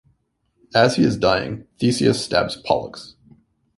As he is dying, Theseus stabs Pollux.